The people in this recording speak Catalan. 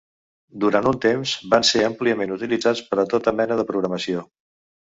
Durant un temps van ser àmpliament utilitzats per a tota mena de programació.